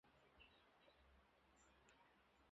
谢承锡之曾孙。